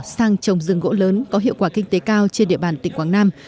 sang trồng rừng gỗ lớn có hiệu quả kinh tế cao trên địa bàn tỉnh quảng nam